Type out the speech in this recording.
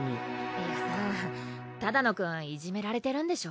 いやさ只野くんいじめられてるんでしょ？